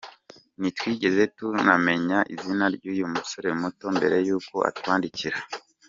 Ntitwigeze tunamenya izina ry’uyu musore muto mbere y’uko atwandikira.